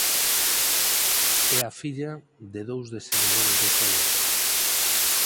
É filla de dous deseñadores de xoias.